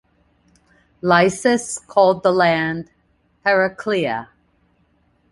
Lycus called the land Heraclea.